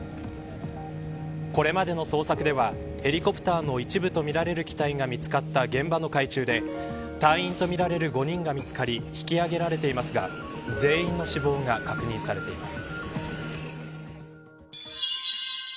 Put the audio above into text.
これまでの捜索ではヘリコプターの一部と見られる機体が見つかった現場の海中で隊員とみられる５人が見つかり引き揚げられていますが全員の死亡が確認されています。